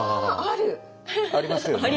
ありますよね。